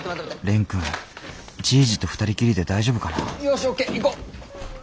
蓮くんじぃじと２人きりで大丈夫かなよしＯＫ行こう。